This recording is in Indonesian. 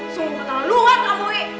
semua orang lu kan kamu